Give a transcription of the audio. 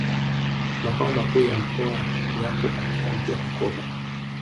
Makao makuu ya mkoa yapo katika mji wa Bukoba